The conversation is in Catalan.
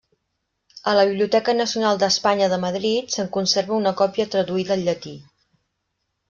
A la Biblioteca Nacional d'Espanya de Madrid se'n conserva una còpia traduïda al llatí.